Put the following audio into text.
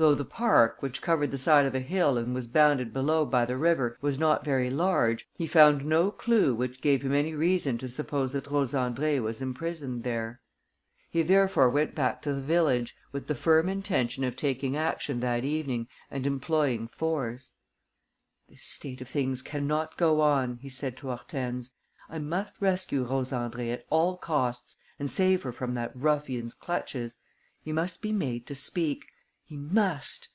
Though the park, which covered the side of a hill and was bounded below by the river, was not very large, he found no clue which gave him any reason to suppose that Rose Andrée was imprisoned there. He therefore went back to the village, with the firm intention of taking action that evening and employing force: "This state of things cannot go on," he said to Hortense. "I must rescue Rose Andrée at all costs and save her from that ruffian's clutches. He must be made to speak. He must.